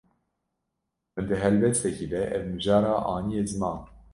Min di helbestekî de ev mijara aniye ziman.